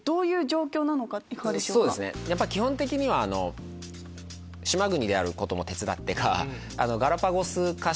やっぱ基本的には島国であることも手伝ってか。